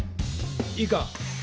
⁉いいか。